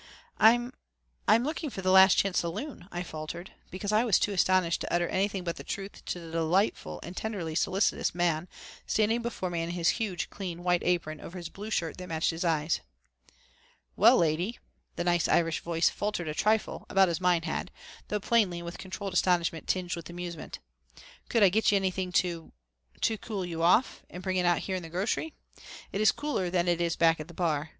"I'm I'm looking for the the Last Chance Saloon," I faltered, because I was too astonished to utter anything but the truth to the delightful and tenderly solicitous man standing before me in his huge, clean white apron over his blue shirt that matched his eyes. "Well, lady," the nice Irish voice faltered a trifle, about as mine had, though plainly with controlled astonishment tinged with amusement, "could I get you anything to to cool you off and bring it out here in the grocery? It is cooler than it is back at the bar.